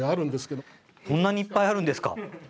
こんなにいっぱいあるんですか？